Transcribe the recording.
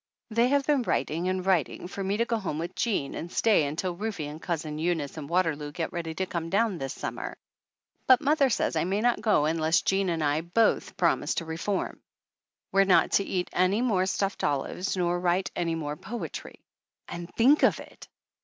They have been writing and writing for me to go home with Jean and stay until Rufe and Cousin Eunice and Water loo get ready to come down this summer, but mother says I may not go unless Jean and I both promise to reform. We're not to eat any more stuffed olives nor write any more poetry and, think of it!